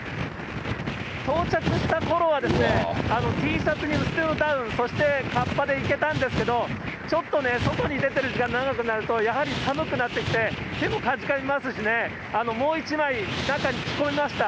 到着したころは、Ｔシャツに薄手のダウン、そしてかっぱでいけたんですけど、ちょっとね、外に出てる時間が長くなると、やはり寒くなってきて、手もかじかみますしね、もう１枚中に着込みました。